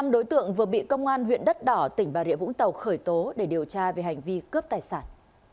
năm đối tượng vừa bị công an huyện đất đỏ tỉnh bà rịa vũng tàu khởi tố để điều tra về hành vi cướp tài sản